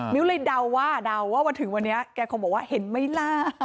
เลยเดาว่าเดาว่ามาถึงวันนี้แกคงบอกว่าเห็นไหมล่ะ